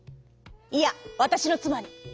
「いやわたしのつまに！」。